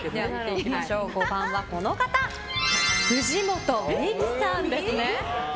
５番、藤本美貴さんです。